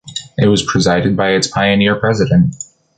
It was presided by its pioneer president.